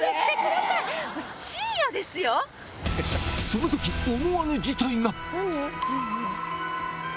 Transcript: そのとき、思わぬ事態が。